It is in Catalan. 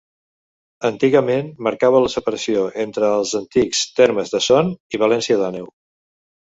Antigament marcava la separació entre els antics termes de Son i València d'Àneu.